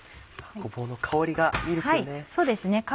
ごぼうの香りがいいですよね。